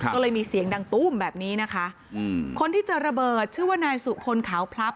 ก็เลยมีเสียงดังตุ้มแบบนี้นะคะอืมคนที่เจอระเบิดชื่อว่านายสุพลขาวพลับ